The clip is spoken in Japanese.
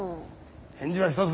返事は一つだけ。